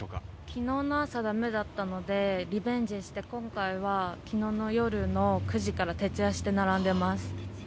昨日の朝、駄目だったので、リベンジして今回は昨日の夜から徹夜して並んでます。